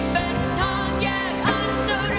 เป็นทางแยกอันตราย